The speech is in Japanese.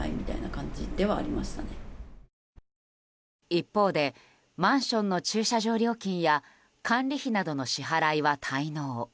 一方でマンションの駐車場料金や管理費などの支払いは滞納。